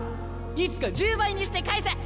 いつか１０倍にして返す！